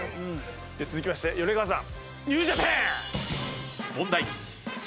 では続きまして米川さん。